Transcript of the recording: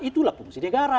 itulah fungsi negara